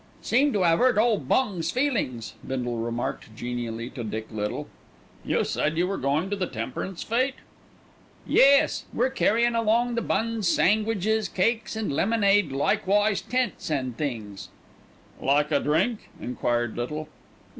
"Seem to 'ave 'urt Old Bung's feelin's," Bindle remarked genially to Dick Little. "You said you were going to the Temperance Fête?" "Yes; we're carryin' along the buns, sangwidges, cakes, an' lemonade, likewise tents and things." "Like a drink?" enquired Little.